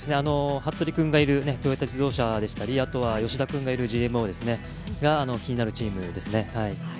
服部君がいるトヨタ自動車でしたりあとは吉田君がいるＧＭＯが気になるチームですね。